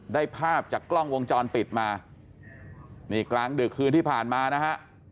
ได้ภาพจากกล้องวงจรปิดมานี่กลางดึกคืนที่ผ่านมานะฮะ